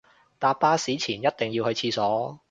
搭巴士前一定要去廁所